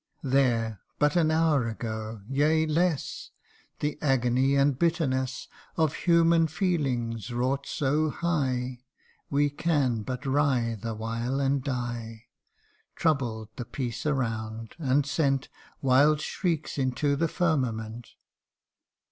There, but an hour ago yea, less, The agony and bitterness Of human feelings, wrought so high We can but writhe awhile and die, Troubled the peace around ; and sent Wild shrieks into the firmament.